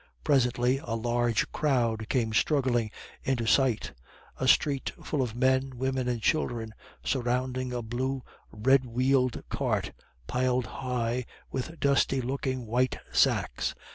Presently a large crowd came struggling into sight; a street full of men, women, and children, surrounding a blue, red wheeled cart, piled high with dusty looking white sacks.